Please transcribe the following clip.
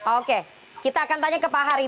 oke kita akan tanya ke pak hari